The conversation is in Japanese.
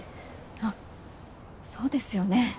あそうですよね。